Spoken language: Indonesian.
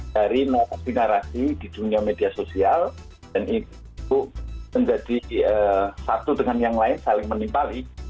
dari narasi narasi di dunia media sosial dan itu menjadi satu dengan yang lain saling menimpali